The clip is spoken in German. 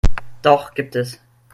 Doch gibt es.